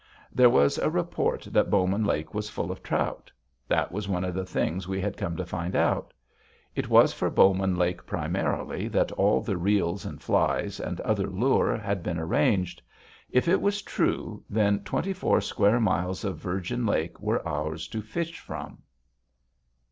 There was a report that Bowman Lake was full of trout. That was one of the things we had come to find out. It was for Bowman Lake primarily that all the reels and flies and other lure had been arranged. If it was true, then twenty four square miles of virgin lake were ours to fish from.